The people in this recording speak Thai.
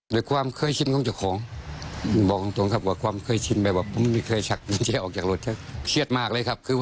ดีใจดีใจจริงครับ